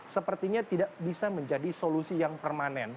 sepertinya tidak bisa menjadi solusi yang permanen